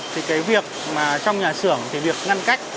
thì cái việc mà trong nhà xưởng thì việc ngăn cách